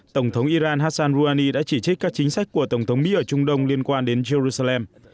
tổng thống iran hassan rouhani đã chỉ trích các chính sách của tổng thống mỹ ở trung đông liên quan đến jerusalem